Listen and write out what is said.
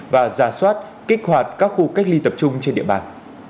và giả soát kích hoạt các khu cách ly tập trung trên địa bàn